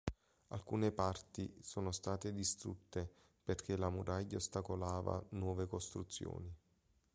Alcune parti sono state distrutte perché la muraglia ostacolava nuove costruzioni.